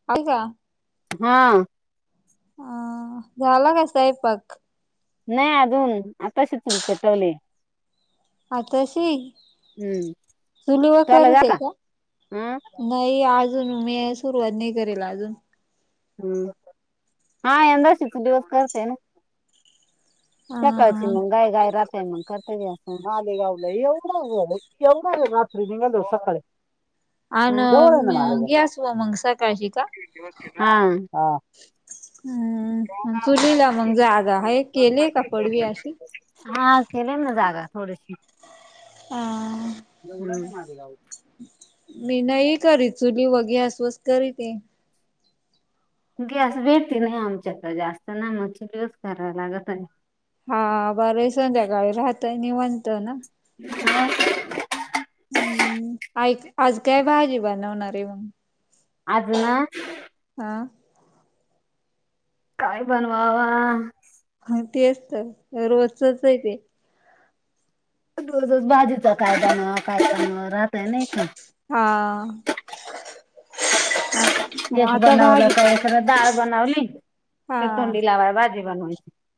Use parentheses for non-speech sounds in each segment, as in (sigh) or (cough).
(unintelligible) हा. आ झाला का स्वयंपाक? नाही अजून आताशी चूल पेटवलय. आताशी हम्म चुली वर चला कर जा (unintelligible) का? हा नाही अजून मी सुरुवात नाही करिला अजून. हम्म, हा यंदा शिकू दिवस करते ना. अ त्याकाळची मग गाय गाय राहत्या मग कर आलेगाव लई (unintelligible) रात्री निघाल सकाळी. हम्म. जवळ आहे ना आणि मालेगाव गॅस व मग सकाळशी का? हा. हम्म चुलीला मग जागा हाय केलीये का? पडवी अशी हा केेलय ना जागा थोडीशी. अ (unintelligible) मी नाही करीत चुली वघे गॅसवस करीत. गॅस भेटती नाही आमच्याकडे जास्त ना म चुली वरच कराय लागतय. हा ब (unintelligible) संध्याकाळी राहतय निवांत ना. (unintelligible) हम्म ऐक आज काय भाजी बनवणार आहे मग. आज ना. हां. काय बनवाव. हा तेच तर रोजचच आहे ते. रोज रोज भाजीचा काय करणार काय करणार राहतय ना इथ. हा. गेट आता बनवलं भाजी तर इकडं दाळ बनवली. हा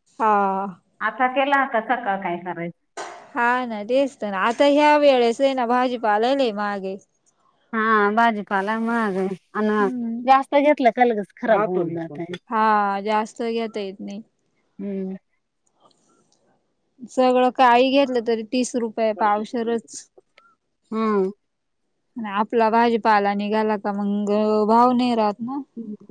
हा. आता केला होता, सकाळ काय कराय? हा ना, तेच तर, आता ह्या वेळेस ये ना, भाजीपालाला लई महाग ये. हां, भाजीपाला महाग अं हम्म जास्त घेतलं का, लगच खराब होउन जातय. हां, जास्त घेता येत नही हम्म. सगळं काही घेतलं, तरी तीस रुपये पावशेरच. हम्म आणि आपला भाजीपाला निघाला का, मंग भाव नही राहत ना.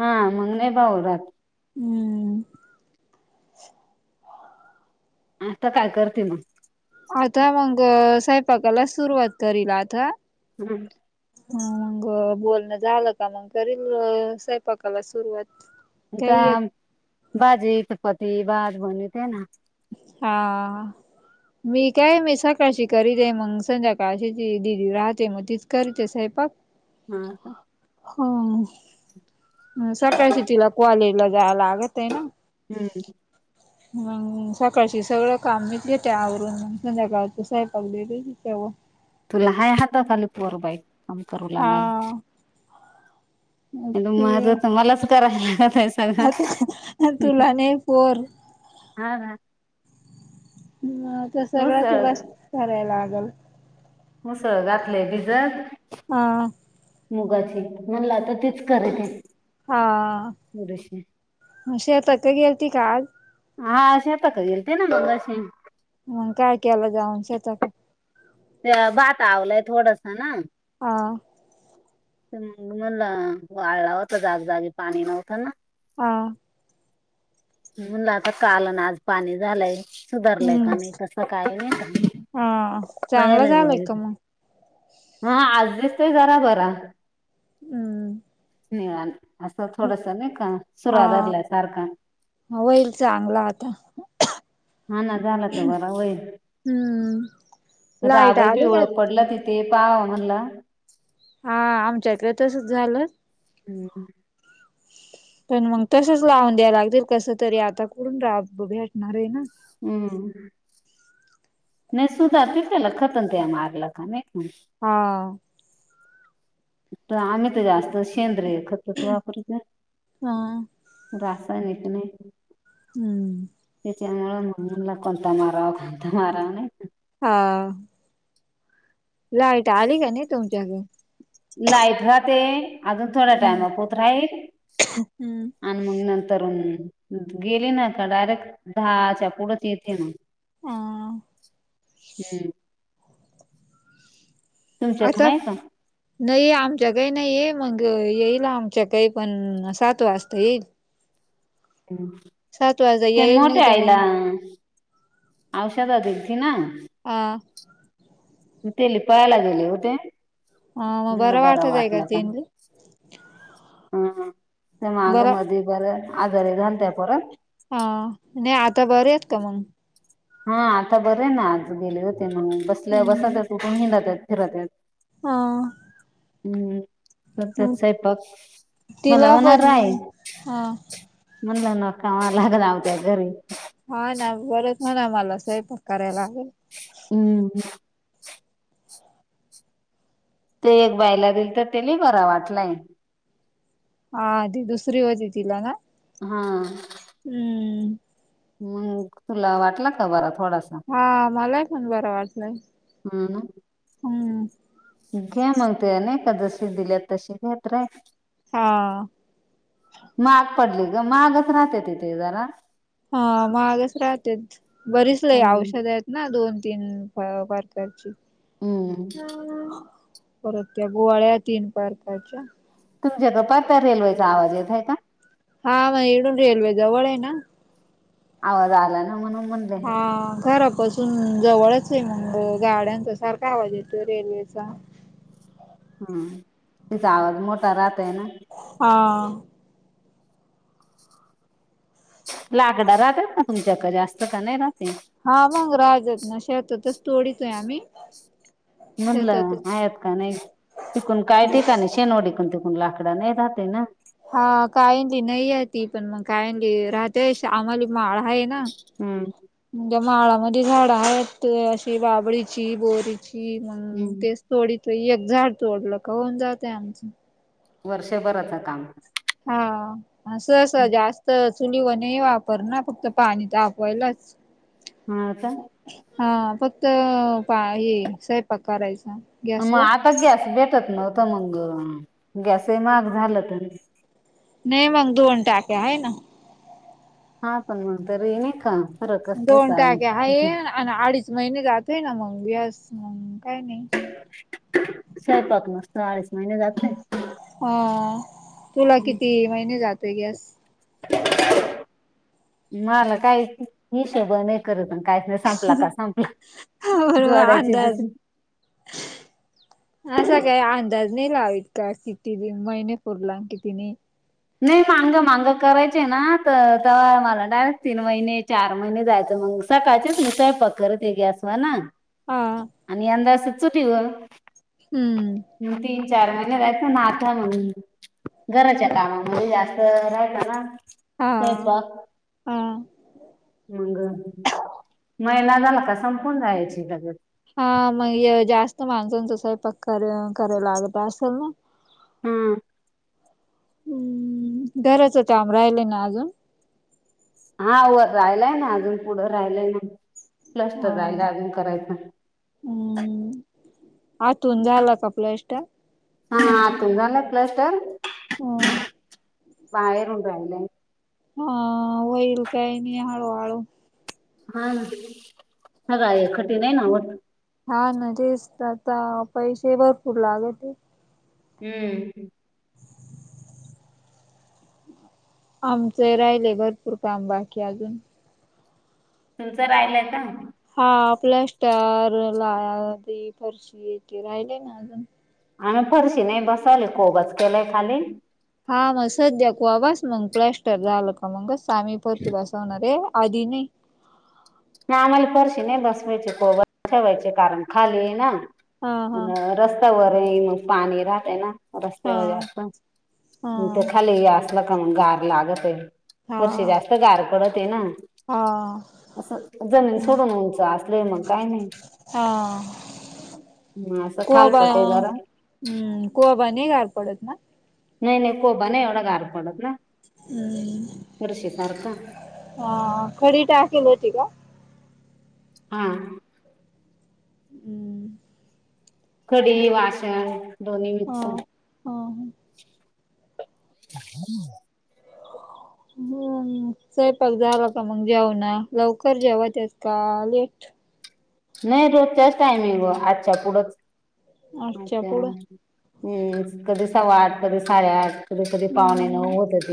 हां, मंग नही भाव राहत. हम्म. आता काय करती म? आता मंग सयंपाकालाच, सुरुवात करील आता. ह्हणं. हं मंग बोलणं झालं का, मंग करील सयंपाकाला सुरुवात. आता काही एक भाजी, चपाती, भात बणी ते ना. हां. मी काय, मी सकाळशी करीते, मंग संध्याकाळशी ती दिदी राहते, मग तीच करीते स्वयंपाक. हां का? हं, सकाळशी तिला, कॉलेजला जाय लाग तेना, हम्म मग सकाळशी सगळं काम मीच घेते आवरून, मं संध्याकाळचा संयंपाक देते तिच्याव. तुला हाय हाता खाली पोर बाई, काम करू लागायला. हा ईद ते माझ त, मलाच कराय लागतं सगळं. आता तुला नाही पोर. हां ना. मं आता सगळं उसळ तुलाच कराय लागल. हुसळ घातले भिजत. आं. मुगाची, म्हणलं आता तीच करायची. हां, मं शेतात गेलती आज? हा, शेताकं गेलते ना, मगाशी. मंग, काय केला जाऊन शेताक? य भात आवलाय थोडासं ना. हां. हम्म, म्हणलं वाळला होता जागजागी, पाणी नव्हतं ना. हां. म्हणलं आता काल अन आज, पाणी झालाये. सुधारलंय का हम्म. नाही, कसं काय नही का, हा चांगलं पहायाला झालंय गेले. का मग? हं, आज दिसतंय जरा बरा. हम्म. निळा असं थोडस नही का, सुरा धरल्या सारखा. म व्हईल चांगला, आता. हा ना, झाला त, बरा होईल. हम्म लाईट राबई आली का पिवळं पडल, ति तुमच्या? ते पहाव म्हणल. हां, आमच्याकड तसच झालं. हम्म हम्म. पण मग तसच लावून द्याय लागतील कस तरी आता कुठून रा भेटणार आहे ना हम्म (unintelligible) हाव तर आम्ही त जास्त शेंद्रीय खत खत वापरत नाय हा. रासायनिक नाय हम्म त्याच्यामुळे म्हणला कोणता मारावा, कोणता मारावा नाही हाव लाईट आली का नाही तुमची अजून लाईट राहते अजून थोड्या हम्म. टाइमा होत राहील हम्म. आणि मग नंत तरुण गेली ना का डायरेक्ट दहाच्या पुढच येते मग हा हम्म तुमच्यात हाय का नाहीे आमच्या काही नाहीय मग येईल आमच्या काही पण सात वाजता येईल सात वाजता ते येईल नाही मोठ्या तर आईला मग औषध दिलती ना हा तेली पहायला गेले होते हा मग म्हणला बरं बरा वाटत आहे वाटलं का त्यांनी हम्म त्या माग बरं मध्ये बर आजारी झालत्या परत हा नाय आता बरे आहेत का मंग हा आता बरं आहे ना आज गेले होते म्हणून बसल्या बसातच उठून हिंडतेत, फिरतेत ह हम्म सतत सैपाक मला तिला पण होणाराय हा मणला ना का ला आग लावत्या घरी हा ना परत म्हणा मला सैपाक कराय लागल हम्म ते एक बायला दिल त त्यानी बरा वाटलाय हा ती दुसरी होती तिला ना हा हम्म म तुला वाटला का बर थोडासा हा मलाही पण बरं वाटलंय ह ना हम्म घ्या मग ते नैका जशी दिल्यात तशी घेत रहाय हा माग पडली ग महागच राहतते तिथे जरा हा महागच राहतेत बरीच लय पण औषध हेत ना दोन, तीन पर प्रकारची हम्म परत त्या गोळ्या तीन परकारच्या तुमच्या इथं पहाट रेल्वेचा आवाज येत आहे का हा मग येडून रेल्वे जवळ आहे ना आवाज आला ना म्हणून म्हण हा घरा पस हम्म, जवळच आहे मग, गाड्यांचा सारखा आवाज येतोय, रेल्वेचा. हम्म, तिचा आवाज मोठा राहतय ना. हा. लाकडा राहतेत ना तुमच्याकडे जास्त का नाही राहते. हा मग (unintelligible) शेतातच तोडीतोय आम्ही. म्हटलं शेतातच आहेत का नाही, चुकून काय ठिकाणी शेनोडी तून इकडून तिकडून लाकड आनाय जातो ना. हा काहीली नाही आहे, ती पण मग कायंली राहते. शा मग माळा आहे ना. हम्म. म्हणज्ये माळामध्ये झाडं आहेत. अशी बाबळीची, बोरी मग हम्म तेच तोडीत एक झाड तोडलं का होऊन जातय आमचं. वर्षभरचा काम. हा अस स जास्त चुली वने वापर ना फक्त पाणी तापवायलाच. हम्म, आता. हा फक्त पा हे सयपाक करायचा. मग गॅसवर आता गॅस भेटत नव्हत. मग गॅसही महाग झालं तर नाही मग, दोन टाक्या आहे ना. हा पण मग तरी नाही का, फरक अस हो का? अन्, अडीच महिने जातय ना मग, ग्यास मग काय नाही. स्वयपाक निस्ता अडीच महिने जातयं. हा. तुला किती महिने जातोय गॅस? मला काही हिशोब नाही करत. प काही न संपला का संपला. बरोबर जोडायची अंदाज दुसरी. असा काही अंदाज नाही लावीत का, किती महिने पूर्ला, किती नाही? नाही, मांग-मांग करायचे ना तर ते मला डायरेक्ट तीन महिने, चार महिने जायचं मग. सकाळचेच संयपाक करते गॅसवर ना, हा आणि यंदा असं चुलीवर. हम्म. तीन, चार महिने जात आता मंग. घराच्या कामामध्ये जास्त राहचा ना हा स्वयंपाक. हा. मग, मैना झाला का संपून जायची लग हा, मग जास्त माणसानच स‌इपाक क करायला लागत असेल ना? हम्म. हम्म. घराच काम राहिलय ना अजून. हा व राहिलाय ना अजून, पुढं राहिलाय ना, क्लस हा तर राहिला अजून करायच. हम्म. आतुन झालं का प्लॅस्टर? हा आतून झालं प्लस्टर, हम्म बाहेरून राहिलंय. हा, वैरू ताई आणि हळू-हळू. हा ना, आग आई कठीण आहे ना हो. हा ना, तेच तर आता पैसे भरपूर लागत होत हम्म. आमचे राहिले भरपूर काम बाकी अजून. तुमचं राहिलंय का? हा प्लास्टर लादी फरशी ते राहिलेय ना अजून. आम्ही फरशी नाही. बसायला कोबाच केलाय खाली. हा मग सध्या कुबास मग प्लस्टर झालं का मगच आम्ही फरची बसवणार आहे. आधी नाही? आम्हाला परशी नाही बसवायची कोबाच ठेवायचे कारण खाली आहे ना. हा हा आणि रस्ता वर हय मग पाणी राहतंय ना. रस्त्यावर आहे हा असं. हा इथे खाली या असल का मग गार लागतय. परसी हा जास्त गार पडते ना. हा. असं जमीन सोडून उंच असले मग काय नाही. हा. मग असं खालपटे जरा. हम. कोबा नाही गार पडत. नाही नाही. कोबा नाही एवढा गार पडत ना. हम. फरशी सारखा हा खडी टाकेल होती का? हा. हमं. खडी वाश दोन्ही हा मिक्स. हा (inaudible) बोल ना. स्वयंपाक झाला का मग? जेऊ ना. लवकर जेवतेस का लेट? नाही रोजच्याच टाइमिंग हुवा आजच्या पुढं आठच्या पुढं हम. कधी सवा आठ, कधी साडेआठ, कधी पाहुणे नऊ हम्म होतात.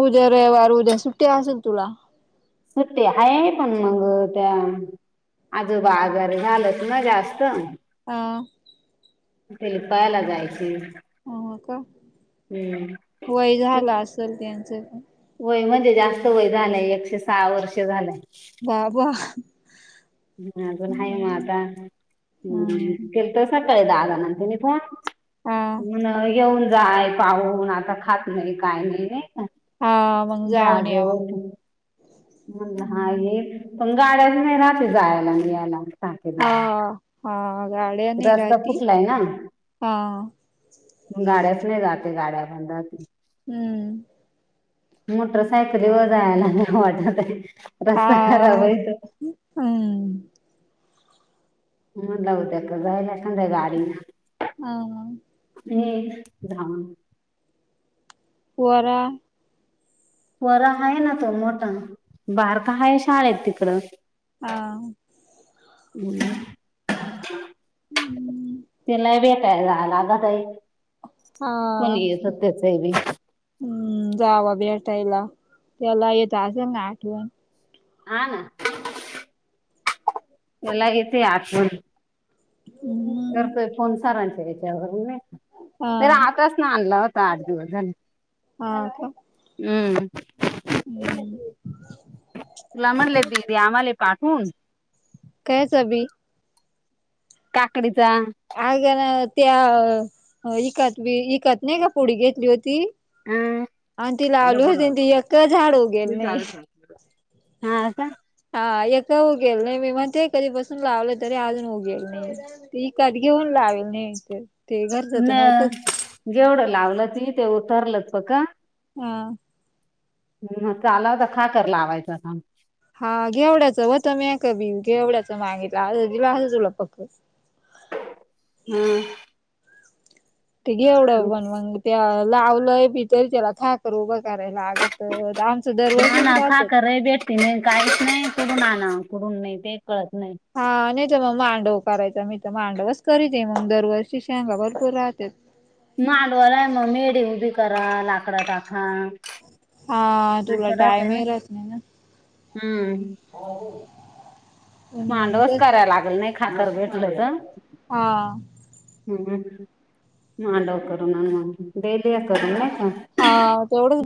उद्या रविवार उद्या सुट्टी असेल तुला? सुट्टी हय पण मग त्या आजोबा आजारी झालेत ना जास्त. (unintelligible) ते पहायला जायची. हो का. हम्म वय झाला असेल त्यांचं पण. वय म्हणजे जास्त वय झालंय. एकशे सहा वर्ष झालंय. बाबा! ह अजून आहे ना हम्म आता. हम्म हम् केलतासा काय दहा जणांनी फोन? हा म्हण येऊन जाय. काहून आता खात नाही काही नाही. हा मग जाऊन यावा (unintelligible) म्हणलं हा हम्म ये. पण गाड्याच नाही रात्री जायला यायला. साकेला. हा हा. गाड्या नाही रस्ता राहती फुटलाय ना हा. मग गाड्याच नाही रात्री. (unintelligible) हम्म. मोटरसायकल वर जायला नाही वाटत आहे. रस्ता खराब हय तो. हम. मग म्हणलं उद्या जाईल एखादं गाडीन. हा हा. हे (unintelligible) वरा वरा आहे ना. तो मोठा बारका आहे शाळेत तिकडं. हा. हम्म त्याला व त्याला लागातय. हा कोणी येत त्याचय बी. जावा भेटायला. त्याला येत असल ना आठवण. हा ना. त्याला येतेय आठवण. ह (inaudible) करतोय फोन सारांच्या याच्यावरुन ना. हा तर आताच ना आणला होता. आठ दिवस झाले. हा का हम्म. हम्म. तुला म्हणले बी दे आम्हाले पाठवून. कायच बी? काकडीचा. अग ना त्या इकत बी. इकत नाही का पुढी घेतली होती? अं, आण ती आहे ना लावलली फोन होती. ती एक झाड उगेल नाये. हा का? हा एक उगेल नाये. मी म्हणते कधी बसून लावेलं तरी अजून उगेल नाये. ते इकत घेऊन लावेल नाही इ त. न जेवढं लावलं ती ते उतरलत पका. हा. ह् चालावता खा कर लावायचं काम. हा घेवड्याचं होत माक बी. घेवड्याचं मागीतला आसत दिला असं तुला पक्क. ह. ते घेवढं पनमग त्या लावलंय भी तरी त्याला थाकर उभं करायला लागत. हा दरवर्षीच ना. राहतच. खाकरय भेटते नाही. काहीच नाही. कुडून आणावान कुडून नाही ते कळत नाही. हा नाही तर मग मांडव करायचा. मी त मांडवच करीते मग. दरवर्षी शेगा भरपूर राहते. मांडवालाये मग मेढ उभी करा. लाकडा टाका. हा तुला असं राहतंय टाईम ना. ये राहत नाही ना. हम्म. म्हणून मग मांडवच तेच करायला लागल नाही खाकर भेटलत. हा. हम्म हम्म. मडव करून मग देईया करून. नाहीय का? हा तेवढंच